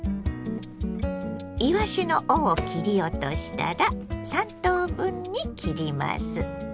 いわしの尾を切り落としたら３等分に切ります。